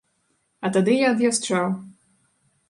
А тады я ад'язджаў.